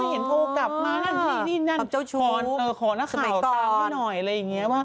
ไม่เห็นโทรกลับมานั่นนั่นขอหน้าข่าวตามนี่หน่อยอะไรอย่างนี้ว่า